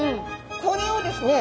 これをですね